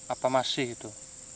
apa masih itu